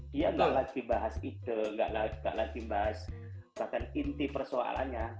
dia nggak lagi bahas ide nggak lagi bahas bahkan inti persoalannya